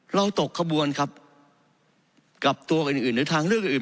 เราตกขบวนครับกับตัวอื่นหรือทางเลือกอื่น